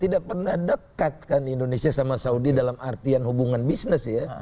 tidak pernah dekat kan indonesia sama saudi dalam artian hubungan bisnis ya